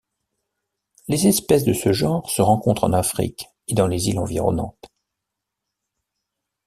Les espèces de ce genre se rencontrent en Afrique et dans les îles environnantes.